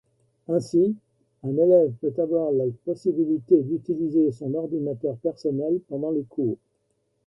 Ainsi, un élève peut avoir la possibilité d'utiliser son ordinateur personnel pendant les cours.